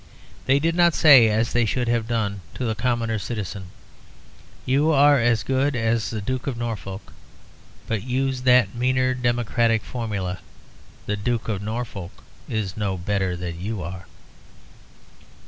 They did not say, as they should have done, to the common citizen, 'You are as good as the Duke of Norfolk,' but used that meaner democratic formula, 'The Duke of Norfolk is no better than you are.'